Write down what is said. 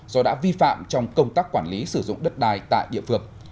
do đã vi phạm trong công tác quản lý sử dụng đất đai tại địa phương